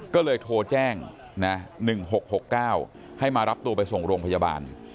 ก็เลยโทรแจ้ง๑๖๖๙ให้มารับตัวไปส่งโรงพยาบาล